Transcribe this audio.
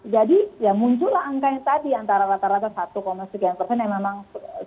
jadi ya muncullah angkanya tadi antara rata rata satu sekian persen yang memang